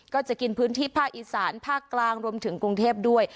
ก็จะกินพื้นที่ภาคอีสานภาคกลางรวมถึงกรุงเทพด้วย